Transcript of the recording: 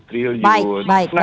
nah kelihatan dong rakyat ikn ini